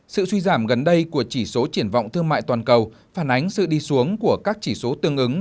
sự suy giảm gần đây của chỉ số triển vọng thương mại toàn cầu phản ánh sự đi xuống của các chỉ số tương ứng